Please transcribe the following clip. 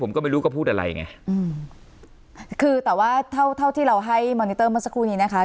ผมก็ไม่รู้ก็พูดอะไรไงอืมคือแต่ว่าเท่าเท่าที่เราให้มอนิเตอร์เมื่อสักครู่นี้นะคะ